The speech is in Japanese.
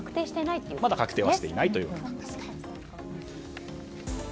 まだ確定してはいないというわけです。